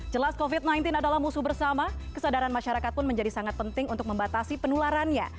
jelas covid sembilan belas adalah musuh bersama kesadaran masyarakat pun menjadi sangat penting untuk membatasi penularannya